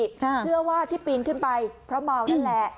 เชื่อว่าที่ปีนขึ้นไปเพราะเมานั่นแหละ